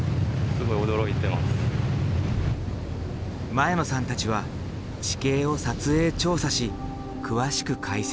前野さんたちは地形を撮影調査し詳しく解析。